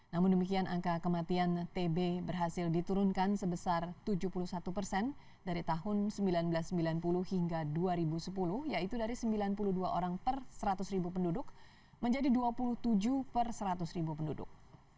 namun demikian angka kematian tb berhasil diturunkan sebesar tujuh puluh satu persen dari tahun seribu sembilan ratus sembilan puluh hingga dua ribu sepuluh yaitu dari sembilan puluh dua orang per seratus ribu penduduk menjadi dua puluh tujuh per seratus ribu penduduk